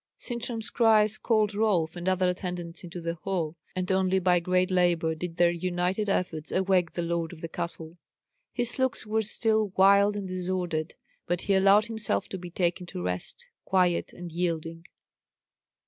Sintram's cries called Rolf and other attendants into the hall; and only by great labour did their united efforts awake the lord of the castle. His looks were still wild and disordered; but he allowed himself to be taken to rest, quiet and yielding.